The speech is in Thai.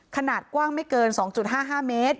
ขนาดกว้างไม่เกิน๒๕๕เมตร